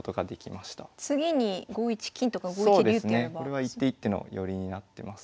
これは一手一手の寄りになってます。